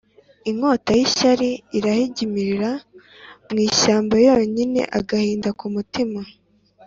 Inkota y'ishyari irahigimira mu ishyamba yonyine. -Agahinda ku mutima.